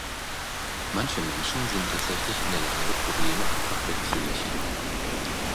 Manche Menschen sind tatsächlich in der Lage, Probleme einfach wegzulächeln.